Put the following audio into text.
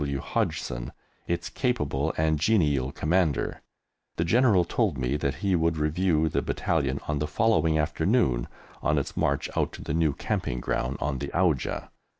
W. Hodgson, its capable and genial Commander. The General told me that he would review the battalion on the following afternoon, on its march out to the new camping ground on the Auja.